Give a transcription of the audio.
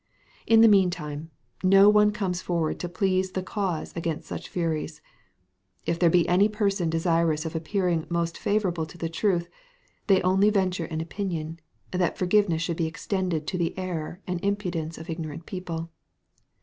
In the meantime, no one comes forward to plead the cause against such furies. If there be any persons desirous of appearing most favourable to the truth, they only venture an opinion, that forgiveness should be extended to the error and imprudence of ignorant people.